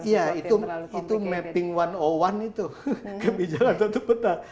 ya itu mapping satu ratus satu itu kebijakan satu peta